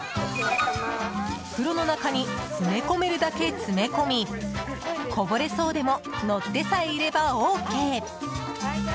袋の中に詰め込めるだけ詰め込みこぼれそうでも乗ってさえいればＯＫ。